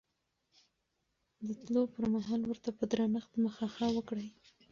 د تلو پر مهال ورته په درنښت مخه ښه وکړئ.